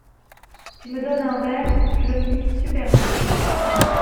Tu me donnes un verre, je le finis super vite.